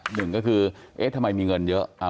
หนึ่งก็คือเอ๊ะทำไมมีเงินเยอะ